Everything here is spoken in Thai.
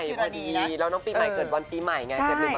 มันปีใหม่พอดีก็น้องปีใหม่เกิดวันปีใหม่ไง